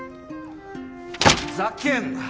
ふざけんな！